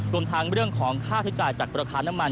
รวมทั้งเรื่องของค่าใช้จ่ายจากราคาน้ำมัน